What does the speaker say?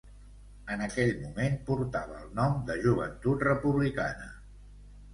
En aquell moment portava el nom de Joventut Republicana.